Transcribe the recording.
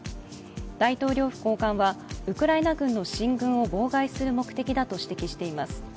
大統領府高官はウクライナ軍の進軍を妨害する目的だと指摘しています。